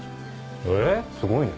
えっすごいね。